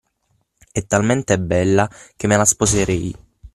E' talmente bella che me la sposerei.